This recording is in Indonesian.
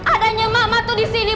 adanya mama tuh disini